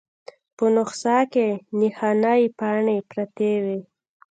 په نسخه کې نښانۍ پاڼې پرتې وې.